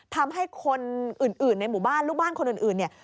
ทำให้คนอื่นในหมู่บ้านลูกบ้านคนอื่นเนี่ย